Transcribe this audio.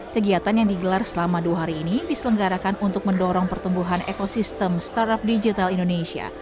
kegiatan yang digelar selama dua hari ini diselenggarakan untuk mendorong pertumbuhan ekosistem startup digital indonesia